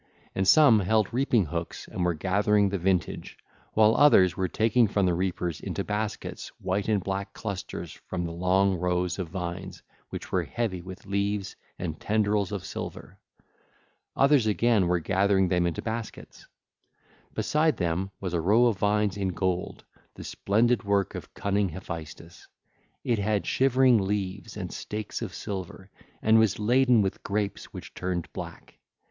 And some held reaping hooks and were gathering the vintage, while others were taking from the reapers into baskets white and black clusters from the long rows of vines which were heavy with leaves and tendrils of silver. Others again were gathering them into baskets. Beside them was a row of vines in gold, the splendid work of cunning Hephaestus: it had shivering leaves and stakes of silver and was laden with grapes which turned black 1805.